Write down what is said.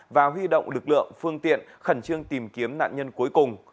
và huy động lực lượng phương tiện khẩn trương tìm kiếm nạn nhân cuối cùng